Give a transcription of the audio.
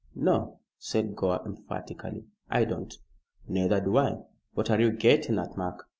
"No," said Gore, emphatically, "I don't." "Neither do I. What are you getting at, Mark?"